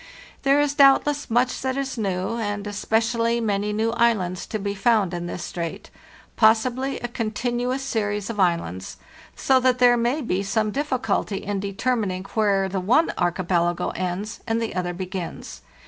There is doubt less much that is new, and especially many new islands, to be found in this strait—possibly a continuous series of islands, so that there may be some difficulty in de termining where the one archipelago ends and the other begins.